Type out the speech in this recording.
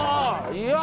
いや。